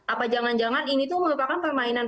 apa jangan jangan ini tuh merupakan permainan